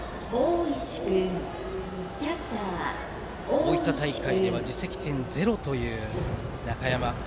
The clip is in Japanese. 大分大会では自責点ゼロという中山。